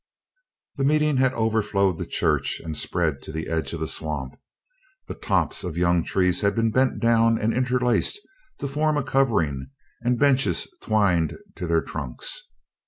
The meeting had overflowed the church and spread to the edge of the swamp. The tops of young trees had been bent down and interlaced to form a covering and benches twined to their trunks.